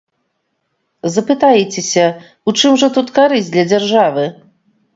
Запытаецеся, у чым жа тут карысць для дзяржавы?